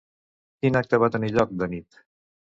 Quin acte va tenir lloc de nit?